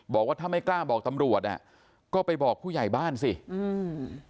บอกว่าถ้าไม่กล้าบอกตำรวจอ่ะก็ไปบอกผู้ใหญ่บ้านสิอืม